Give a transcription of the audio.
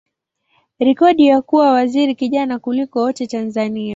rekodi ya kuwa waziri kijana kuliko wote Tanzania.